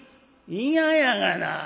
「嫌やがな。